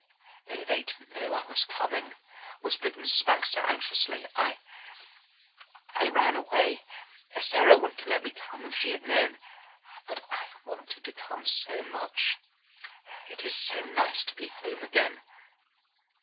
"They didn't know I was coming," whispered Mrs. Baxter anxiously. "I—I ran away. Sarah wouldn't have let me come if she had known. But I wanted to come so much. It is so nice to be home again."